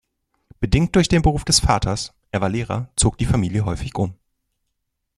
Bedingt durch den Beruf des Vaters, er war Lehrer, zog die Familie häufig um.